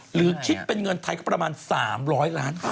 หรือคิดเป็นเงินไทยก็ประมาณ๓๐๐ล้านบาท